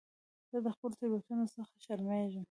زه د خپلو تېروتنو څخه شرمېږم.